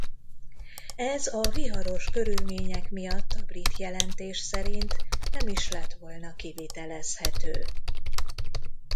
Ez a viharos körülmények miatt a brit jelentés szerint nem is lett volna kivitelezhető.